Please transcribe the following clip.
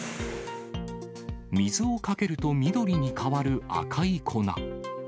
水をかけると緑に変わる赤い粉。